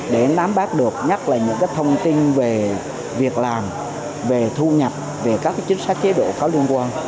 để nắm bát được nhắc lại những thông tin về việc làm về thu nhập về các chính sách chế độ có liên quan